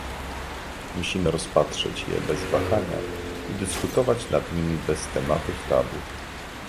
Musimy rozpatrzeć je bez wahania i dyskutować nad nimi bez tematów tabu